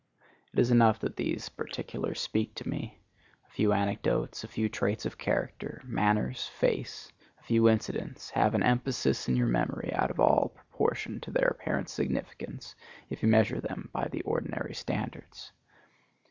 It is enough that these particulars speak to me. A few anecdotes, a few traits of character, manners, face, a few incidents, have an emphasis in your memory out of all proportion to their apparent significance if you measure them by the ordinary standards.